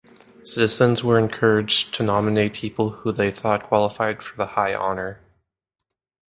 Citizens were encouraged to nominate people who they thought qualified for the high honour.